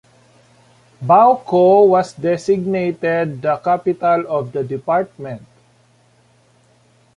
Boaco was designated the capital of the department.